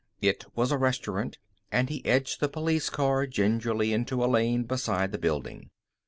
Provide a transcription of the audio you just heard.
It was a restaurant, and he edged the police car gingerly into a lane beside the building.